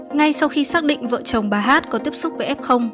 ngay sau khi xác định vợ chồng bà hát có tiếp xúc với f